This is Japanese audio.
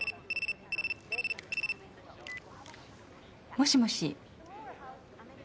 もしもし。